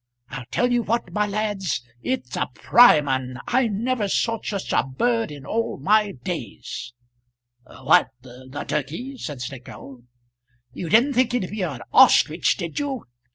I'll tell you what, my lads; it's a prime 'un. I never saw such a bird in all my days." "What, the turkey?" said Snengkeld. "You didn't think it'd be a ostrich, did you?"